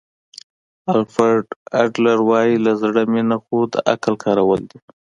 الفرډ اډلر وایي له زړه مینه خو د عقل کارول دي.